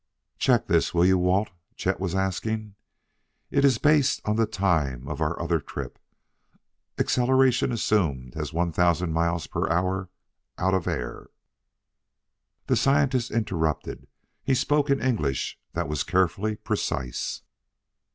"Check this, will you, Walt?" Chet was asking. "It is based on the time of our other trip, acceleration assumed as one thousand miles per hour per hour out of air " The scientist interrupted; he spoke in English that was carefully precise.